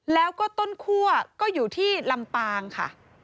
แล้วก็ต้นคั่วก็อยู่ที่ลำปางค่ะ